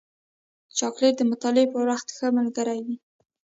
چاکلېټ د مطالعې پر وخت ښه ملګری وي.